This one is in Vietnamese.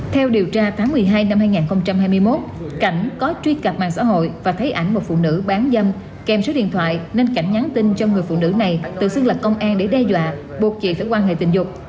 theo điều tra tháng một mươi hai năm hai nghìn hai mươi một cảnh có truy cập mạng xã hội và thấy ảnh một phụ nữ bán dâm kèm số điện thoại nên cảnh nhắn tin cho người phụ nữ này tự xưng là công an để đe dọa buộc chị phải quan hệ tình dục